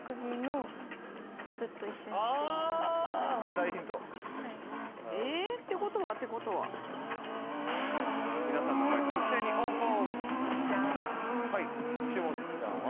大ヒントえーってことはてことは皆さんの解答一斉にオープンはい岸本ちゃんは？